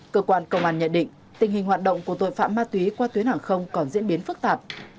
cơ quan công an nhận định tình hình hoạt động của tội phạm ma túy qua tuyến hàng không còn diễn biến phức tạp